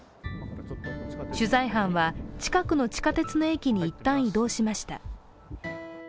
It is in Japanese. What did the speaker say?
取材班は、近くの地下鉄の駅に一旦移動しました。